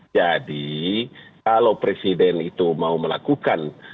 jadi kalau presiden itu mau melakukan